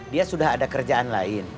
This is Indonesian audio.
dia sudah ada kerjaan lain